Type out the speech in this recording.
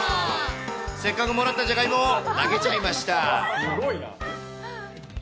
せっかくもらったジャガイモを投げちゃいました。